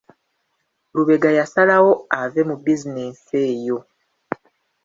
Lubega yasalawo ave mu bizinesi eyo.